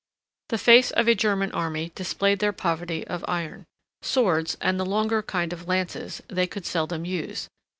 The face of a German army displayed their poverty of iron. Swords, and the longer kind of lances, they could seldom use.